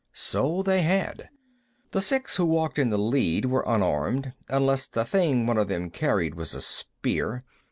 So they had. The six who walked in the lead were unarmed, unless the thing one of them carried was a spear.